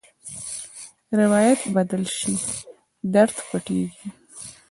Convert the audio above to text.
روایت بدل شي، درد پټېږي.